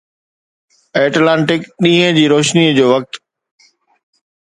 Atlantic ڏينهن جي روشني جو وقت